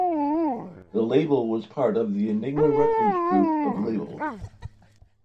The label was part of the Enigma Records group of labels.